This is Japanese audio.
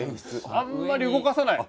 あんまり動かさない。